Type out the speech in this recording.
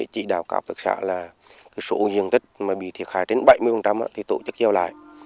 chỉ đào cáo thực xã là số diện tích bị thiệt hại trên bảy mươi tổ chức giao lại